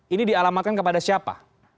ini dialamatkan kepada siapa